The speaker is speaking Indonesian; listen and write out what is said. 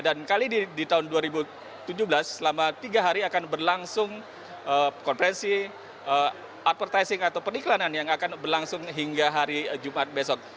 dan kali ini di tahun dua ribu tujuh belas selama tiga hari akan berlangsung konferensi advertising atau periklanan yang akan berlangsung hingga hari jumat besok